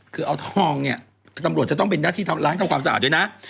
คือเอาทองเนี่ยตำรวจจะต้องเป็นหน้าที่ล้างทำความสะอาดด้วยนะ